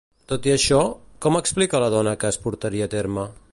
Tot i això, com explica la dona que es portaria a terme?